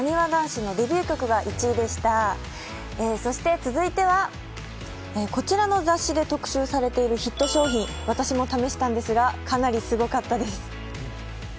続いてはこちらの雑誌で特集されているヒット商品、私も試したんですがかなりすごかったです。